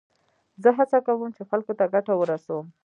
زه هڅه کوم، چي خلکو ته ګټه ورسوم.